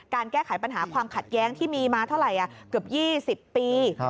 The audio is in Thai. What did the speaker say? แก้ไขปัญหาความขัดแย้งที่มีมาเท่าไหร่เกือบ๒๐ปี